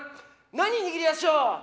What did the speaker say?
何握りやしょう？